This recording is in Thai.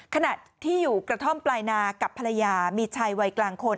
ขณะที่อยู่กระท่อมปลายนากับภรรยามีชายวัยกลางคน